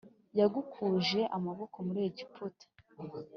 yagukuje amaboko muri Egiputa